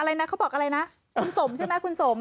อะไรนะเขาบอกอะไรนะคุณสมใช่ไหมคุณสม